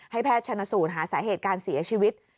แพทย์ชนสูตรหาสาเหตุการเสียชีวิต